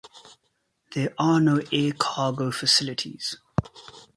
There are no air cargo facilities.